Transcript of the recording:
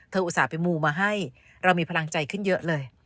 อุตส่าห์ไปมูมาให้เรามีพลังใจขึ้นเยอะเลย